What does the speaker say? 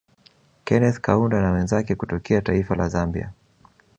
Keneth Kaunda na wenzake kutokea taifa La Zambia